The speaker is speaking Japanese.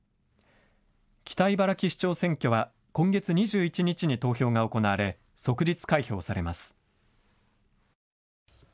北茨城市長選挙は今月２１日に投票が行われ即日開票されます。